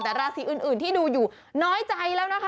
แต่ราศีอื่นที่ดูอยู่น้อยใจแล้วนะคะ